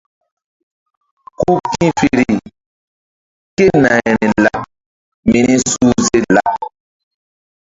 Ku ki̧feri kénayri laɓ mini suhze laɓ.